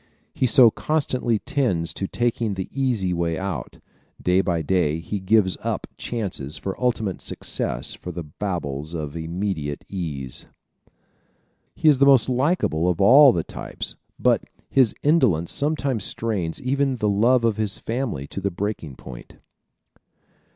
He so constantly tends to taking the easy way out. Day by day he gives up chances for ultimate success for the baubles of immediate ease. He is the most likable of all the types but his indolence sometimes strains even the love of his family to the breaking point.